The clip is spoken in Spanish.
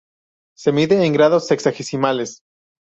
Se mide en grados sexagesimales.